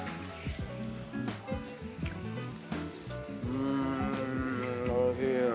うーんおいしい。